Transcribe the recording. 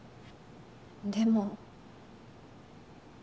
でも。